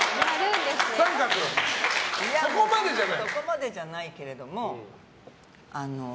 そこまでじゃないけれども。